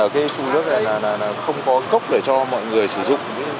không có cốc để cho mọi người sử dụng